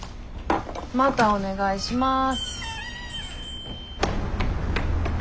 またお願いします。